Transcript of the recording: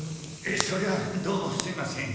そりゃどうもすいません。